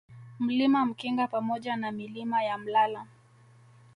Mlima Mkinga pamoja na Milima ya Mlala